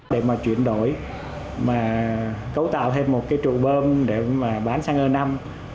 để mà chuyển đổi mà cấu tạo thêm một cái trụ bơm để mà bán xăng e năm